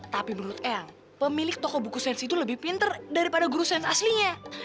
tapi menurut eng pemilik toko buku sains itu lebih pinter daripada guru sains aslinya